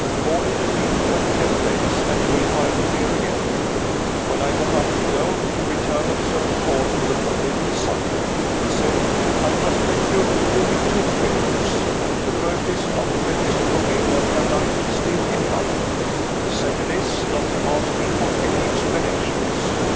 Call in a week or ten days and you will find me here again." When I got up to go, he returned of his own accord to the forbidden subject. He said, "I must beg you to do me two favors. The first is, not to let Mr. Romayne know that I am still in London. The second is, not to ask me for any explanations."